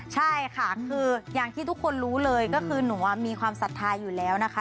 ใช่ค่ะคืออย่างที่ทุกคนรู้เลยก็คือหนูมีความศรัทธาอยู่แล้วนะคะ